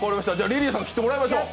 リリーさん、切ってもらいましょう！